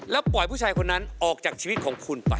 แล้วปล่อยผู้ชายคนนั้นออกจากชีวิตของคุณไป